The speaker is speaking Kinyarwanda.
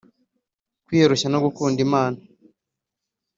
kwiyoroshya no gukunda.imana